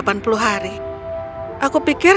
aku pikir kau bisa mencari dia